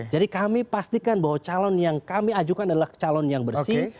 jadi kami pastikan bahwa calon yang kami ajukan adalah calon yang bersih